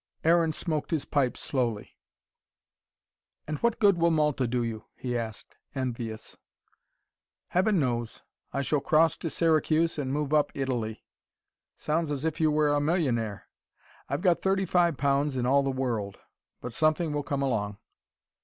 Aaron smoked his pipe slowly. "And what good will Malta do you?" he asked, envious. "Heaven knows. I shall cross to Syracuse, and move up Italy." "Sounds as if you were a millionaire." "I've got thirty five pounds in all the world. But something will come along."